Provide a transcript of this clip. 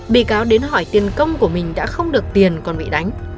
bị cáo đến hỏi tiền công của mình đã không được tiền còn bị đánh